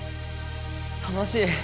楽しい！